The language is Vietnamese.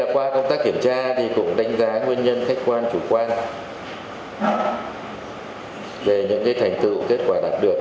qua công tác kiểm tra cũng đánh giá nguyên nhân khách quan chủ quan về những thành tựu kết quả đạt được